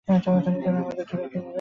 তাড়াতাড়ি, তারা আমাদের ধরে ফেলবে!